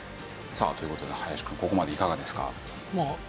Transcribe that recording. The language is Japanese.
さあという事で林くんここまでいかがですか？